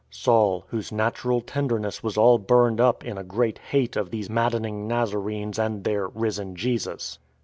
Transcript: — Saul, whose natural tenderness was all burned up in a great hate of these maddening Nazarenes and their " risen Jesus."